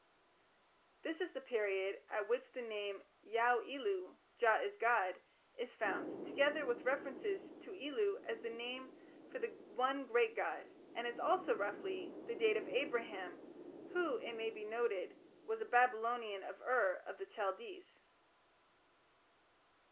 This is the period at which the name Yauᵐ ilu, 'Jah is god', is found, together with references to ilu as the name for the one great god, and is also, roughly, the date of Abraham, who, it may be noted, was a Babylonian of Ur of the Chaldees."